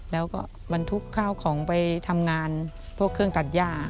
แล้วก็บรรทุกข้าวของไปทำงานพวกเครื่องตัดย่า